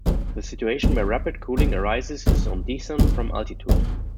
The situation where rapid cooling arises is on descent from altitude.